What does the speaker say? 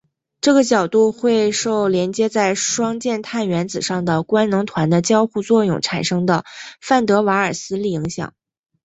这个角度会受连接在双键碳原子上的官能团的交互作用产生的范德瓦耳斯力影响。